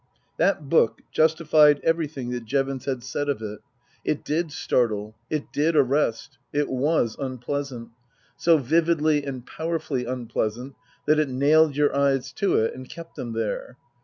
That book justified everything that Jevons had said of 140 Book II : Her Book 141 it. It did startle. It did arrest. It was unpleasant. So vividly and powerfully unpleasant that it nailed your eyes to it and kept them there.